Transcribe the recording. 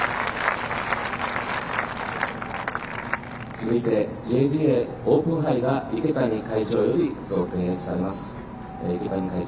続いて、ＪＧＡオープン杯が池谷会長より贈呈されます。